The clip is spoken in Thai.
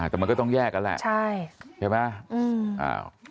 แต่มันก็ต้องแยกกันแหละใช่ไหม